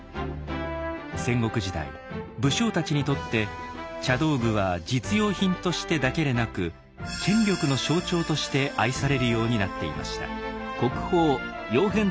戦国時代武将たちにとって茶道具は実用品としてだけでなく権力の象徴として愛されるようになっていました。